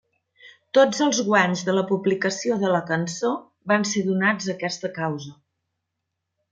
Tots els guanys de la publicació de la cançó van ser donats a aquesta causa.